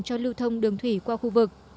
cho lưu thông đường thủy qua khu vực